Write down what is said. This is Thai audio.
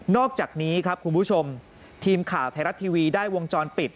อกจากนี้ครับคุณผู้ชมทีมข่าวไทยรัฐทีวีได้วงจรปิด